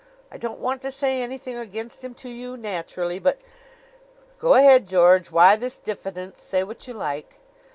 I don't want to say anything against him to you, naturally; but " "Go ahead, George. Why this diffidence? Say what you like."